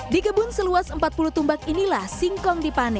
di kebun seluas empat puluh tumbak inilah singkong dipanen